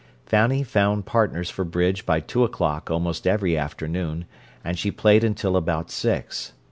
Fanny found partners for bridge by two o'clock almost every afternoon, and she played until about six.